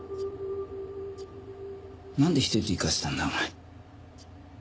なんで１人で行かせたんだお前。